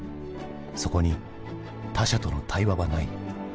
そこに他者との対話はない。